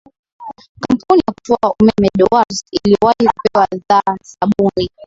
kampuni ya kufua umeme dowarz iliowahi kupewa dha zabuni